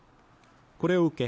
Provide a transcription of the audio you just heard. これを受け